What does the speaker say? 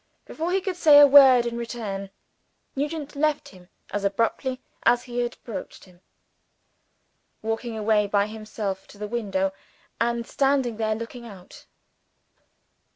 Before he could say a word in return, Nugent left him as abruptly as he had approached him; walking away by himself to the window and standing there, looking out.